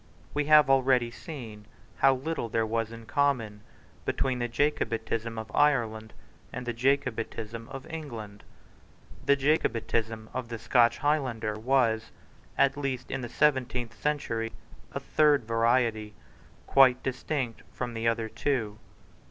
We have already seen how little there was in common between the Jacobitism of Ireland and the Jacobitism of England. The Jacobitism of the Scotch Highlander was, at least in the seventeenth century, a third variety, quite distinct from the other two.